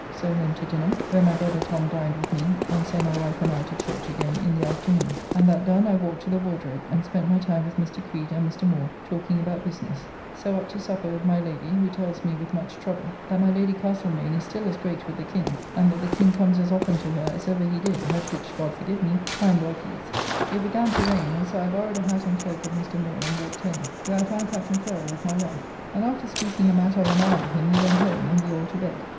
So home to dinner, where my brother Tom dined with me, and so my wife and I to church again in the afternoon, and that done I walked to the Wardrobe and spent my time with Mr. Creed and Mr. Moore talking about business; so up to supper with my Lady [Sandwich], who tells me, with much trouble, that my Lady Castlemaine is still as great with the King, and that the King comes as often to her as ever he did, at which, God forgive me, I am well pleased. It began to rain, and so I borrowed a hat and cloak of Mr. Moore and walked home, where I found Captain Ferrer with my wife, and after speaking a matter of an hour with him he went home and we all to bed.